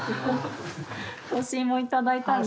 干し芋頂いたんで。